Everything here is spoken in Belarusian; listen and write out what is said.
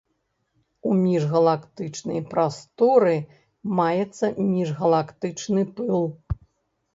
У міжгалактычнай прасторы маецца міжгалактычны пыл.